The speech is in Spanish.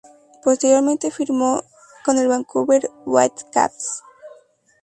Posteriormente firmó con el Vancouver Whitecaps.